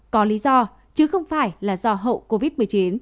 có lý do chứ không phải là do hậu covid một mươi chín